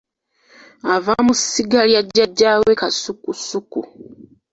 Ava mu ssiga lya jjajja we Kasukusuku.